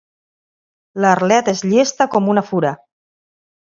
L'Arlet és llesta com una fura.